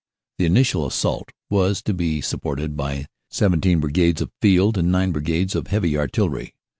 "The initial assault was to be supported by 17 Brigades of Field and nine Brigades of Heavy Artillery.